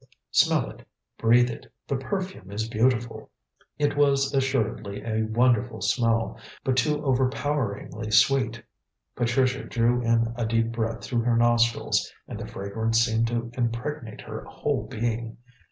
Smell it; breathe it; the perfume is beautiful." It was assuredly a wonderful smell, but too overpoweringly sweet. Patricia drew in a deep breath through her nostrils, and the fragrance seemed to impregnate her whole being.